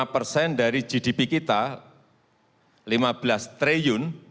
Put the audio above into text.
lima persen dari gdp kita lima belas triliun